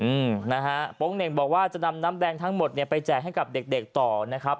อืมนะฮะโป๊งเหน่งบอกว่าจะนำน้ำแดงทั้งหมดเนี่ยไปแจกให้กับเด็กเด็กต่อนะครับ